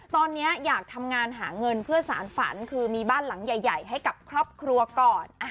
ตอนนี้อยากทำงานหาเงินเพื่อสารฝันคือมีบ้านหลังใหญ่ให้กับครอบครัวก่อน